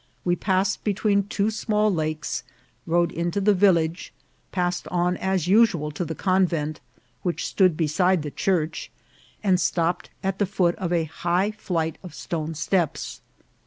We passed between two small lakes, rode into the village, passed on, as usual, to the convent, which stood beside the church, and stopped at the foot of a high flight of stone steps.